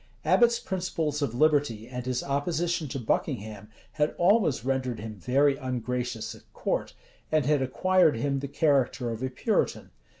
[] Abbot's principles of liberty, and his opposition to Buckingham, had always rendered him very ungracious at court, and had acquired him the character of a Puritan.